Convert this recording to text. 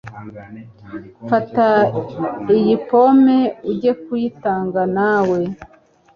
Fata iyi pome ujye kuyitanga nawe